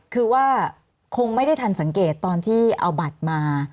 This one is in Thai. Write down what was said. คือว่าคงไม่ได้ทันสังเกตตอนที่เอาบัตรมา